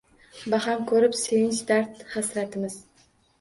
Baham ko’rib sevinch, dard-hasratimiz —